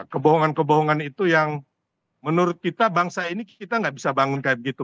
kebohongan kebohongan itu yang menurut kita bangsa ini kita nggak bisa bangun kayak begitu